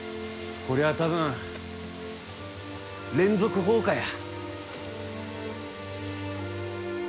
こりゃ多分連続放火や。